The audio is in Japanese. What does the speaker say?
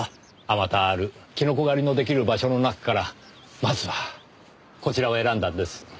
数多あるキノコ狩りの出来る場所の中からまずはこちらを選んだんです。